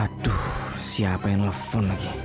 aduh siapa yang nelfon lagi